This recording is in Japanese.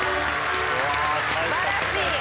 素晴らしい！